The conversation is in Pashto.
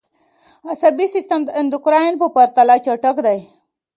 عصبي سیستم د اندوکراین په پرتله چټک دی